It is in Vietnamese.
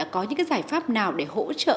có những cái giải pháp nào để hỗ trợ